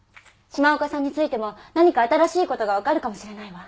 島岡さんについても何か新しい事がわかるかもしれないわ。